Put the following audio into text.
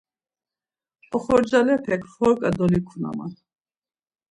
Oxorcalepek forǩa dolikunaman.